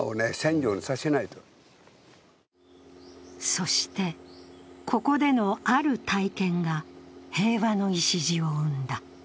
そして、ここでのある体験が平和の礎を生んだ。